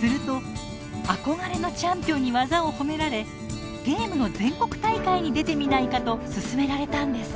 すると憧れのチャンピオンに技を褒められ「ゲームの全国大会に出てみないか」と勧められたんです。